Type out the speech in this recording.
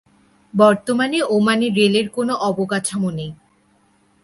বর্তমানে ওমানে রেলের কোনো অবকাঠামো নেই।